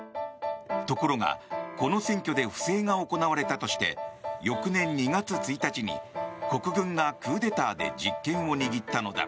ところが、この選挙で不正が行われたとして翌年２月１日に国軍がクーデターで実権を握ったのだ。